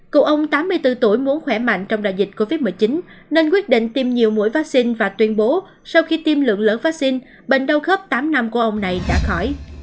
cụ ông tám mươi bốn tuổi muốn khỏe mạnh trong đại dịch covid một mươi chín nên quyết định tiêm nhiều mũi vaccine và tuyên bố sau khi tiêm lượng lớn vaccine bệnh đau khớp tám năm của ông này đã khỏi